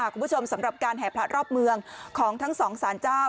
สำหรับการแห่พระรอบเมืองของทั้งสองสารเจ้า